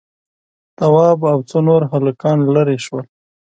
تواب او څو نور هلکان ليرې شول.